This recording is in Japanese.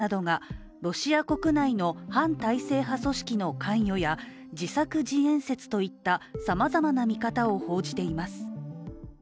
インターネット上では、ロシアの独立系メディアなどがロシア国内の反体制派組織の関与や自作自演説といったさまざまな見方を報じています。